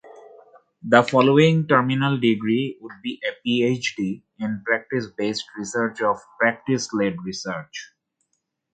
The following terminal degree would be a PhD in Practice-Based Research or Practice-Led Research.